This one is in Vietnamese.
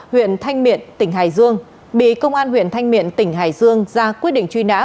huyện thanh miện tỉnh hải dương bị công an huyện thanh miện tỉnh hải dương ra quyết định truy nã